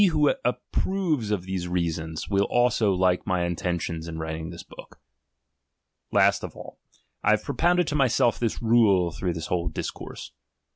He who approves of these reasons, will also like my intentious iu writing this book. Last of all, I have propounded to myself this rule through this whole discourse.